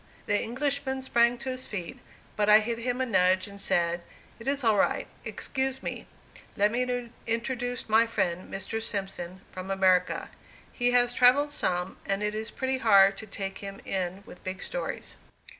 The Englishman sprang to his feet, but I hit him a nudge, and said, "It is all right. Excuse me; let me introduce my friend, Mr. Simpson, from America. He has travelled some, and it is pretty hard to take him in with big stories."